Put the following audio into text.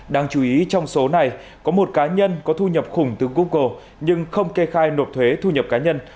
đáng chú ý trong số này có một cá nhân có thu nhập khủng từ google nhưng không kê khai nộp thuế thu nhập cá nhân